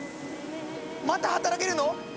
また働けるの？